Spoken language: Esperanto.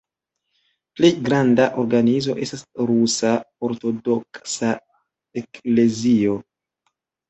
Plej granda organizo estas Rusa Ortodoksa Eklezio.